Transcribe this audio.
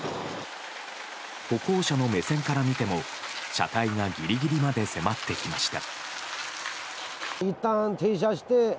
歩行者の目線から見ても車体がギリギリまで迫ってきました。